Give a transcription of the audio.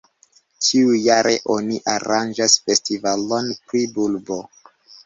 Ĉiujare oni aranĝas festivalon pri bulbo.